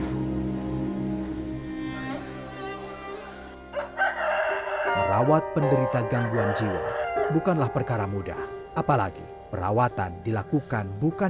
merawat penderita gangguan jiwa bukanlah perkara mudah apalagi perawatan dilakukan bukan